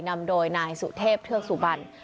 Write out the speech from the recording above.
นำโดยนายสุเทพเทือกสุบัน